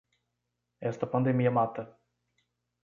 Esta pandemia mata.